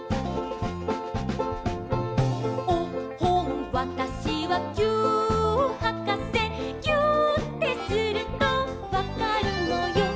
「おっほんわたしはぎゅーっはかせ」「ぎゅーってするとわかるのよ」